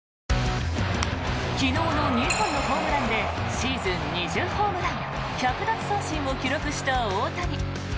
昨日の２本のホームランでシーズン２０ホームラン１００奪三振を記録した大谷。